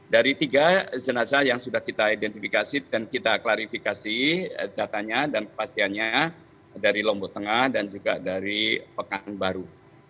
dari tiga jenazah yang sudah kita identifikasi dan kita klarifikasi datanya dan kepastiannya dari lombok tengah dan juga dari pekanbaru